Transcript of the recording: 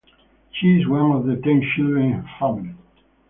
She is one of ten children in her family.